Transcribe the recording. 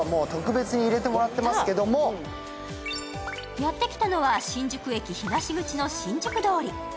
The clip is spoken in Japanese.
やってきたのは新宿駅東口の新宿通り。